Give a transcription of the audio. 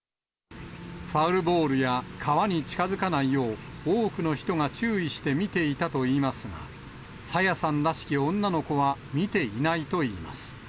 ファウルボールや川に近づかないよう、多くの人が注意して見ていたといいますが、朝芽さんらしき女の子は見ていないといいます。